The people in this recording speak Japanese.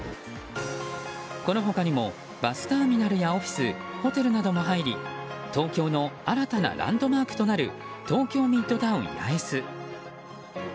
この他にもバスターミナルやオフィスホテルなども入り東京の新たなランドマークとなる東京ミッドタウン八重洲。